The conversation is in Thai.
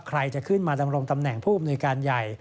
ใครจะขึ้นมาดำรงตำแหน่งผู้อำนวยการใหญ่